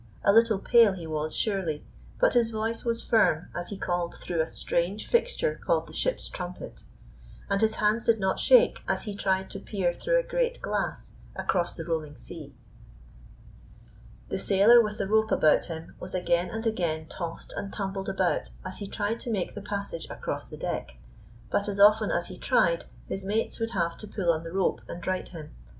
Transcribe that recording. A little pale he was, surely, but his voice was firm as he called through a strange fixture called the ship's trumpet. And his hands did not shake as he tried to peer through a great glass across the rolling sea. The sailor with the rope about him was again and again tossed and tumbled about as he tried to make the passage across the deck, but as often as he tried his mates would have to pull on the rope and right him.